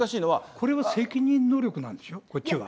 これは責任能力なんでしょ、こっちは。